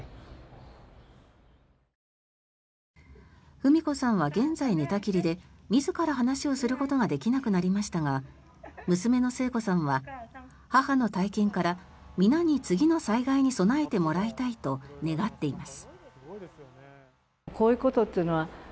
ふみ子さんは現在寝たきりで自ら話をすることができなくなりましたが娘の征子さんは、母の体験から皆に次の災害に備えてもらいたいと願っています。